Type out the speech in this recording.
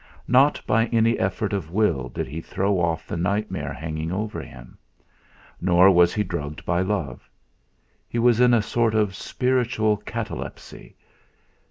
Not by any effort of will did he throw off the nightmare hanging over him. Nor was he drugged by love. He was in a sort of spiritual catalepsy.